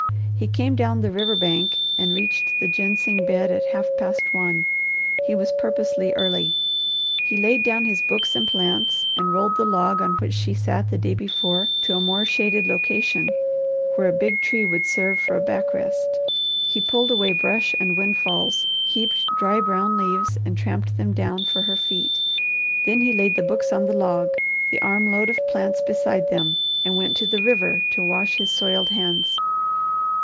He came down the river bank and reached the ginseng bed at half past one. He was purposely early. He laid down his books and plants, and rolled the log on which she sat the day before to a more shaded location, where a big tree would serve for a back rest. He pulled away brush and windfalls, heaped dry brown leaves, and tramped them down for her feet. Then he laid the books on the log, the arm load of plants beside them, and went to the river to wash his soiled hands.